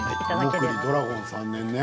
ドラゴン３年ね。